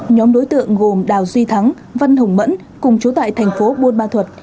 nhóm đối tượng gồm đào duy thắng văn hùng mẫn cùng chú tại thành phố buôn ma thuật